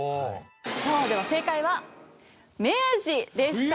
さあでは正解は明治でした。